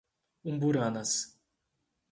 Umburanas